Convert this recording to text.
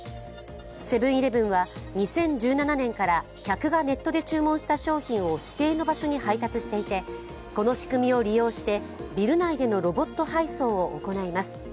セブン−イレブンは２０１７年から客がネットで注文した商品を指定の場所に配達していて、この仕組みを利用してビル内でのロボット配送を行います。